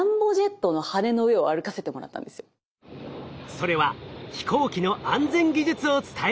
それは飛行機の安全技術を伝える回。